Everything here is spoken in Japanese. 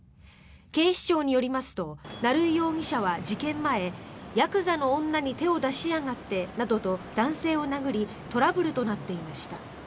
警視庁によりますと成井容疑者は事件前ヤクザの女に手を出しやがってなどと男性を殴りトラブルとなっていました。